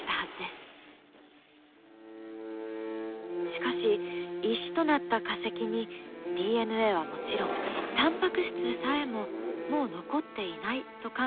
しかし石となった化石にＤＮＡはもちろんタンパク質さえももう残っていないと考えるのが恐竜研究の常識なのです。